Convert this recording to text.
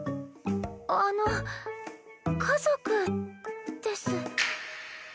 あの家族です。